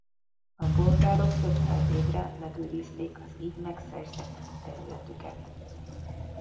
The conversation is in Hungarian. A bolgárok több száz évre megőrizték az így megszerzett területüket.